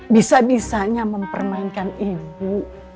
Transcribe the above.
bisa bisanya mempermainkan ibu